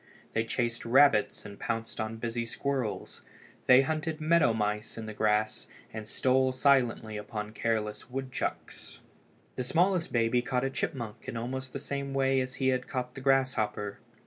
They chased rabbits and pounced on busy squirrels. They hunted meadow mice in the grass, and stole silently upon careless woodchucks. The smallest baby caught a chipmunk in almost the same way as he had caught the grasshopper.